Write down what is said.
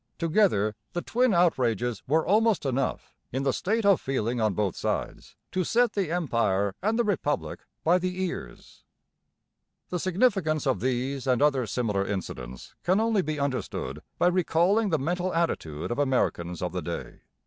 Together the twin outrages were almost enough, in the state of feeling on both sides, to set the Empire and the Republic by the ears. The significance of these and other similar incidents can only be understood by recalling the mental attitude of Americans of the day.